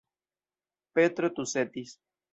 Petro tusetis.